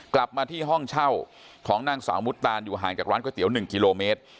กลับมาที่ห้องเช่าของนางสาวมุตานอยู่ห่างจากร้านก๋วเตี๋ย๑กิโลเมตร